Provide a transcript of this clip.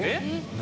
何？